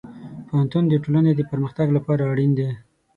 پوهنتون د ټولنې د پرمختګ لپاره اړین دی.